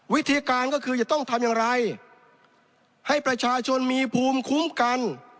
วิธีการก็คือจะต้องทำอย่างไรให้ประชาชนมีภูมิคุ้มกัน